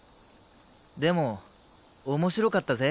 でも面白かったぜ。